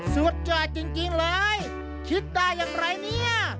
สุดยอดจริงเลยคิดได้อย่างไรเนี่ย